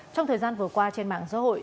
trong thời gian vừa qua trên mạng xã hội